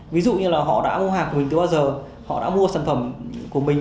ví dụ như là họ đã mua hàng của mình từ bao giờ họ đã mua sản phẩm của mình